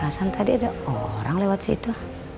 alasan tadi ada orang lewat situ